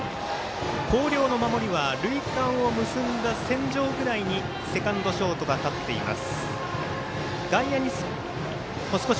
広陵の守りは塁間を結んだ線上ぐらいにセカンドショートが立っています。